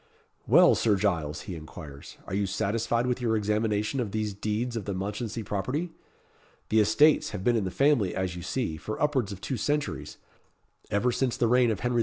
"Well, Sir Giles," he inquires, "are you satisfied with your examination of these deeds of the Mounchensey property? The estates have been in the family, as you see, for upwards of two centuries ever since the reign of Henry IV.